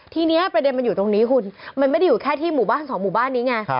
ทีนี้ประเด็นมันอยู่ตรงนี้คุณมันไม่ได้อยู่แค่ที่หมู่บ้านสองหมู่บ้านนี้ไง